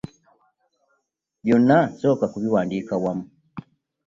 Byonna sooka kubiwandiika wamu.